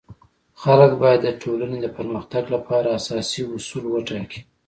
خلک باید د ټولنی د پرمختګ لپاره اساسي اصول وټاکي.